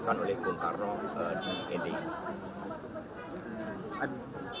yang dikeluarkan oleh bung karno di nd